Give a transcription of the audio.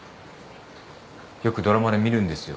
よくドラマで見るんですよ。